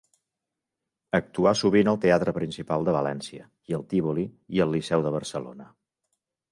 Actuà sovint al Teatre Principal de València i al Tívoli i al Liceu de Barcelona.